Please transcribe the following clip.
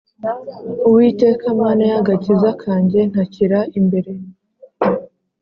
Uwiteka Mana y agakiza kanjye Ntakira imbere